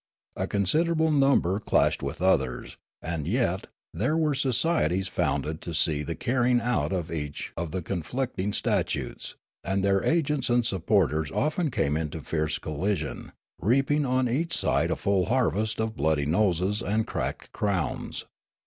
A considerable number clashed with others, and j^et there were societies founded to see the carrying out of each of the conflicting statutes, and their agents and supporters often came into fierce collision, reaping on each side a full harvest of bloody noses and cracked crowns.